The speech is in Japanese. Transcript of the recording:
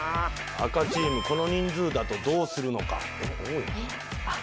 赤チームこの人数だとどうするのか。